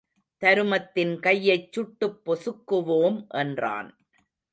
தருமத்தின் கையைச் சுட்டுப் பொசுக்குவோம் என்றான்.